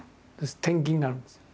転勤になるんですよ。